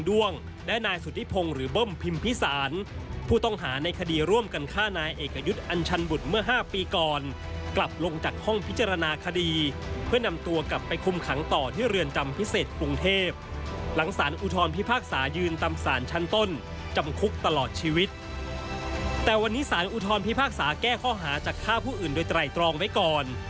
แต่วันนี้สารอุทธรพิพากษาแก้ข้อหาจากฆ่าผู้อื่นโดยไตรตรองไว้ก่อน